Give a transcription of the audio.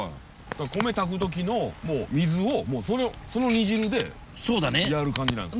米炊くときの水をその煮汁でやる感じなんです。